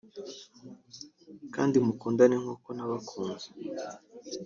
kandi mukundane nk’uko nabakunze